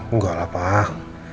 enggak lah pak